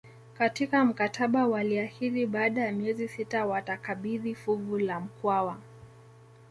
Katika mkataba waliahidi baada ya miezi sita watakabidhi fuvu la Mkwawa